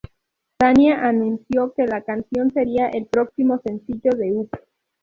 Shania anunció que la canción sería el próximo sencillo de "Up!